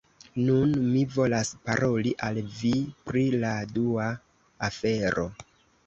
Nun, mi volas paroli al vi pri la dua afero.